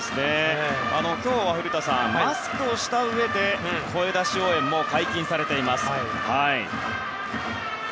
今日は古田さんマスクをしたうえで声出し応援も解禁されています。